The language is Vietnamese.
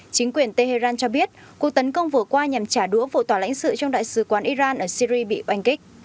chính quyền tehran cho biết cuộc tấn công vừa qua nhằm trả đũa vụ tòa lãnh sự trong đại sứ quán iran ở syri bị oanh kích